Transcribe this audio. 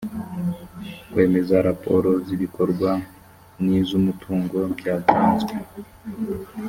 kwemeza raporo z ‘ibikorwa n ‘izumutungo byatanzwe .